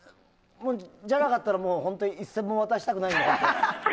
じゃなかったら、もう一銭も渡したくないので。